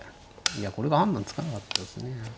いやこれが判断つかなかったですね。